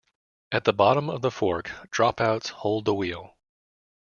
At the bottom of the fork, "dropouts" hold the wheel.